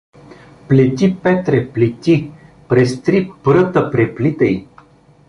Плети Петре, плети. През три пръта преплитай.